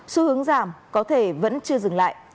xu hướng giảm có thể vẫn chưa dừng lại